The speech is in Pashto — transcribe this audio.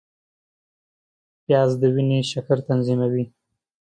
پیاز د وینې شکر تنظیموي